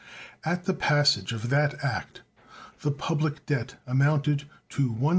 At the passage of that act the public debt amounted to $123,500,000.